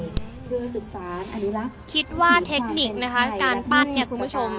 คือศุภาษณ์อันนี้ละคิดว่าเทคนิคนะคะการปั้นเนี้ยคุณผู้ชม